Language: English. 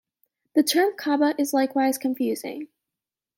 The term Kaba is likewise confusing.